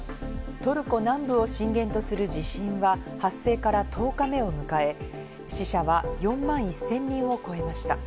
トルコ南部を震源とする地震は発生から１０日目を迎え、死者は４万１０００人を超えました。